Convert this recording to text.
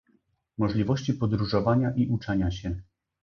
możliwości podróżowania i uczenia się